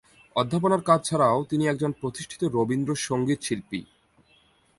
অধ্যাপনার কাজ ছাড়াও, তিনি একজন প্রতিষ্ঠিত রবীন্দ্র সঙ্গীত শিল্পী।